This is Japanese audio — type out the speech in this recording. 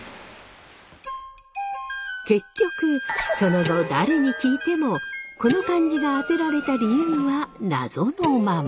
結局その後誰に聞いてもこの漢字が当てられた理由はナゾのまま。